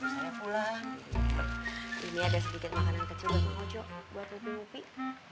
ini ada sedikit makanan kecil buat bu hojo buat mupi mupi